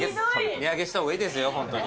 値上げしたほうがいいですよ、本当に。